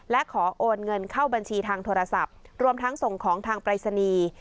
และขอโอนเงินเข้าบัญชีทางโทรศัพท์รวมทั้งส่งของทางปรายศนีย์